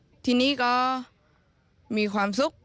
แล้วก็มาที่นี่ก็มีความสุข